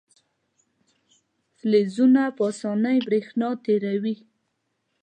فلزونه په اسانۍ برېښنا تیروي.